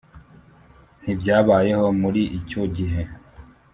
n’ibyabayeho muri icyo gihe.